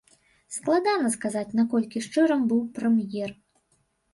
Складана сказаць, наколькі шчырым быў прэм'ер.